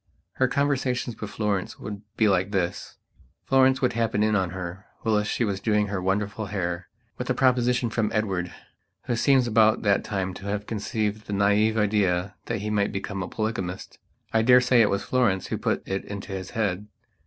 Her conversations with Florence would be like this. Florence would happen in on her, whilst she was doing her wonderful hair, with a proposition from Edward, who seems about that time to have conceived the naïve idea that he might become a polygamist. I daresay it was Florence who put it into his head.